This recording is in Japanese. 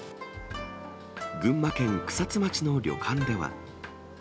群馬県草津町の旅館では。